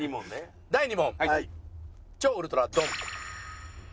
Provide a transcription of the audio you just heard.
第２問超ウルトラドン。